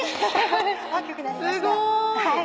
すごい！